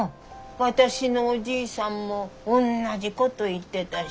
私のおじいさんもおんなじこと言ってたし。